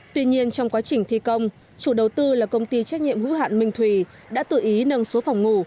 tuy nhiên trong quá trình thi công chủ đầu tư là công ty trách nhiệm hữu hạn minh thùy đã tự ý nâng số phòng ngủ